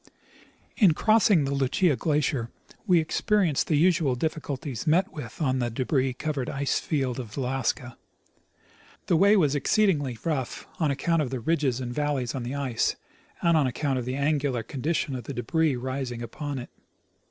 In crossing the Lucia glacier we experienced the usual diffi culties met with on the debris covered ice field of Alaska. The way was exceedingly rough, on account of the ridges and valleys on the ice, and on account of the angular condition of the debris resting upon it.